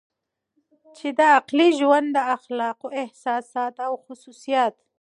چې د عقلې ژوند د اخلاقو احساسات او خصوصیات